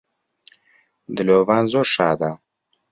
دلۆڤان زۆر شادە